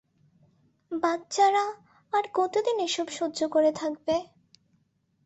বাচ্চারা আর কতদিন এসব সহ্য করে থাকবে?